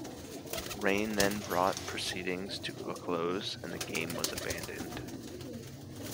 Rain then brought proceedings to a close and the game was abandoned.